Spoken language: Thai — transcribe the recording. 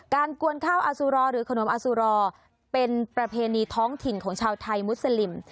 กวนข้าวอสุรอหรือขนมอสุรอเป็นประเพณีท้องถิ่นของชาวไทยมุสลิม